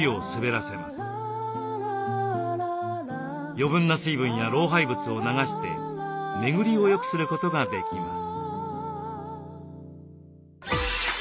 余分な水分や老廃物を流して巡りをよくすることができます。